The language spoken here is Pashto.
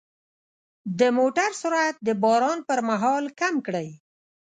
د موټر سرعت د باران پر مهال کم کړئ.